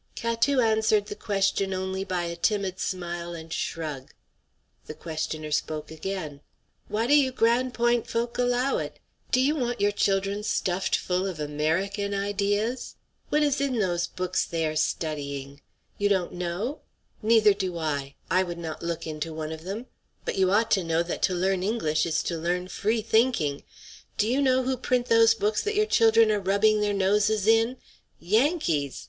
Catou answered the question only by a timid smile and shrug. The questioner spoke again: "Why do you Grande Pointe folk allow it? Do you want your children stuffed full of American ideas? What is in those books they are studying? You don't know? Neither do I. I would not look into one of them. But you ought to know that to learn English is to learn free thinking. Do you know who print those books that your children are rubbing their noses in? Yankees!